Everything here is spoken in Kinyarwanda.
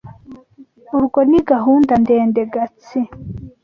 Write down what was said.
Urwo ni gahunda ndende. gatsi